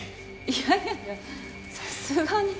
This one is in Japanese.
いやいやいやさすがに。